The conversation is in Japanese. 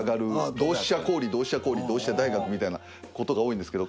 同志社香里同志社香里同志社大学みたいなことが多いんですけど。